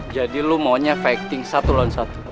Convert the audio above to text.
jadi lu maunya fighting satu lawan satu